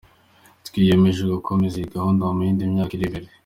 Twiyemeje gukomeza iyi gahunda mu yindi myaka iri imbere”.